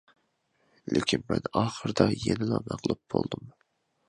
لېكىن، مەن ئاخىرىدا يەنىلا مەغلۇپ بولدۇم.